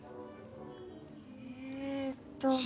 えーっと。